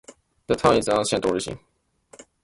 The town is of ancient origin.